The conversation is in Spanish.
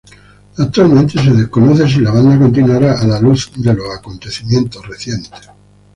Actualmente se desconoce si la banda continuará a la luz de los acontecimientos recientes.